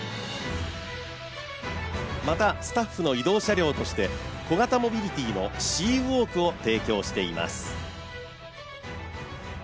また、スタッフの移動車両として小型モビリティーのＣ＋ｗａｌｋを提供しています。